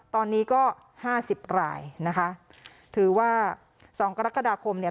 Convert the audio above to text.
ตอนนี้ก็๕๐รายนะคะถือว่า๒กรกฎาคมเนี่ย